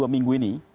satu dua minggu ini